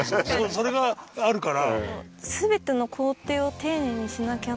それがあるから。